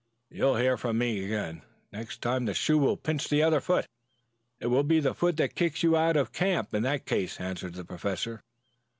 You'll hear from me again. Next time the shoe will pinch the other foot." "It will be the foot that kicks you out of camp in that case," answered the Professor.